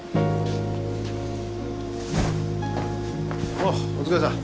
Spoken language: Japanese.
おっお疲れさん。